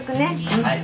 はい。